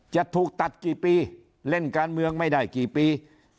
จะถูกตัดกี่ปีเล่นการเมืองไม่ได้กี่ปี